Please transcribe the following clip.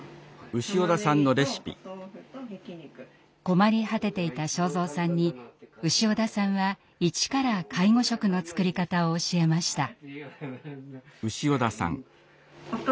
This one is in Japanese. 困り果てていた昭蔵さんに潮田さんは一から介護食の作り方を教えました。